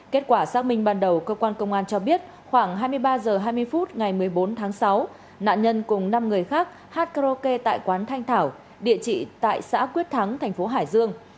kết quả xác minh ban đầu cơ quan công an cho biết khoảng hai mươi ba h hai mươi phút ngày một mươi bốn tháng sáu nạn nhân cùng năm người khác hát karaoke tại quán thanh thảo địa chỉ tại xã quyết thắng thành phố hải dương